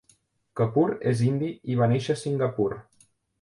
Kapur és indi i va néixer a Singapur.